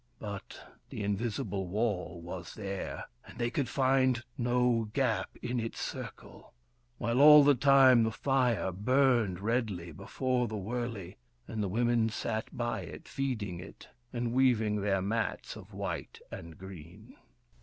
But the invisible wall was there, and they could find no gap in its circle ; while, all the time, the fire burned redly before the wurley, and the women sat by it, feeding it, and weaving their mats of white and green.